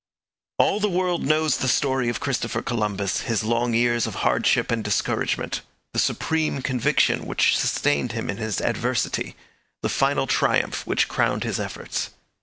All the world knows the story of Christopher Columbus, his long years of hardship and discouragement; the supreme conviction which sustained him in his adversity; the final triumph which crowned his efforts.